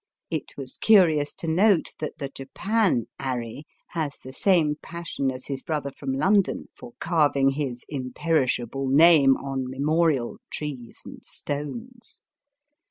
It was curious to note that the Japan 'Arry has the same passion as his brother from London for carving his imperish able name on memorial trees and stones.